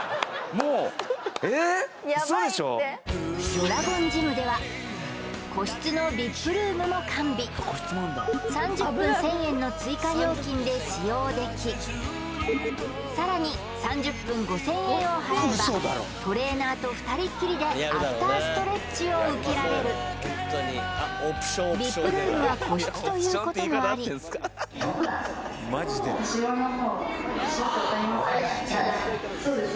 ヤバいってドラゴンジムでは３０分１０００円の追加料金で使用できさらに３０分５０００円を払えばトレーナーと二人っきりでアフターストレッチを受けられるＶＩＰルームは個室ということもありそうです